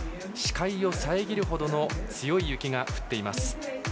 視界を遮るほどの強い雪が降っています。